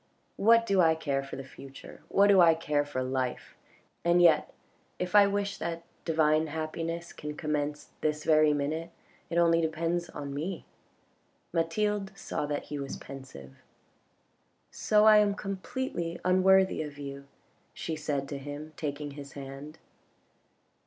What do I care for the future, what do I care for life ? And yet if I wish that divine happiness can commence this very minute, it only depends on me." Mathild saw that he was pensive. " So I am completely unworthy of you," she said to him, taking his hand.